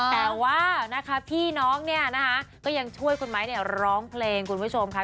แต่ว่านะคะพี่น้องเนี่ยนะคะก็ยังช่วยคุณไม้เนี่ยร้องเพลงคุณผู้ชมค่ะ